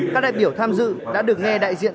các đại biểu tham dự đã được nghe đại diện